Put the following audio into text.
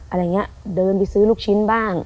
อะไรอย่างนี้เดินไปซื้อลูกชิ้นบ้าง